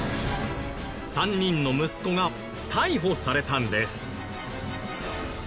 ３人の息子が逮捕されたんです。